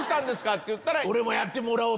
って言ったら。